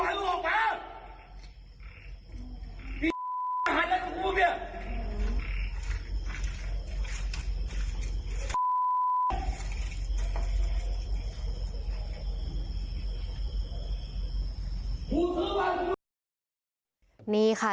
จะได้ยินทุกวันที่นี่ค่ะจะได้ยินทุกวันที่นี่ค่ะ